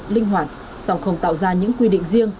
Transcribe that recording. linh hoạt song không tạo ra những quy định riêng